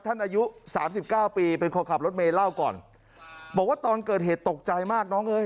อายุสามสิบเก้าปีเป็นคนขับรถเมย์เล่าก่อนบอกว่าตอนเกิดเหตุตกใจมากน้องเอ้ย